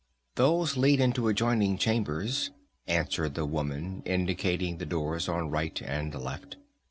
"Those lead into adjoining chambers," answered the woman, indicating the doors on right and left.